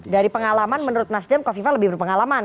dari pengalaman menurut nasdem kofifa lebih berpengalaman